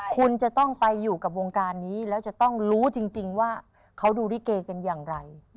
คุณจะต้องไปอยู่กับวงการนี้แล้วจะต้องรู้จริงว่าเขาดูลิเกกันอย่างไร